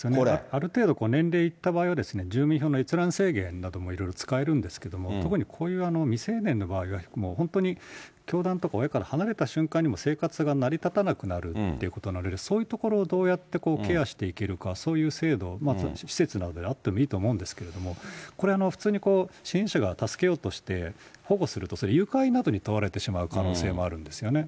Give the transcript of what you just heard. ある程度、年齢いった場合は、住民票の閲覧制限などもいろいろ使えるんですけども、特にこういう未成年の場合は、もう本当に教団とか親から離れた瞬間にもう、生活が成り立たなくなるということなので、そういうところをどうやってケアしていけるか、そういう制度、施設などであってもいいと思うんですけど、これ、普通に支援者が助けようとして保護すると、それ、誘拐などに問われてしまう可能性もあるんですよね。